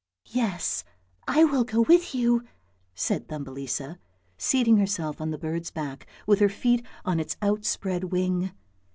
" Yes, I will go with you," said Thumbelisa, seating herself on the bird's back with her feet on its out spread wing.